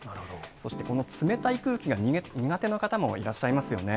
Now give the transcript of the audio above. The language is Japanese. そして、この冷たい空気が苦手な方もいらっしゃいますよね。